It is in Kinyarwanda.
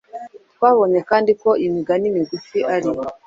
Twabonye kandi ko imigani migufi ari